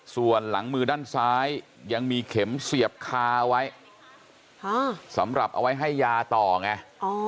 ส่วนหลังมือด้านซ้ายยังมีเข็มเสียบคาไว้สำหรับเอาไว้ให้ยาต่อไง